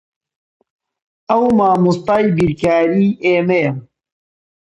ئەو مامۆستای بیرکاریی ئێمەیە.